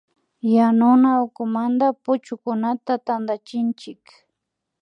Yanuna ukumanta puchukunata tantachinchik